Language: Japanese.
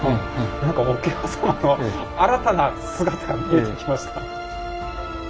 何か桶狭間の新たな姿見えてきました。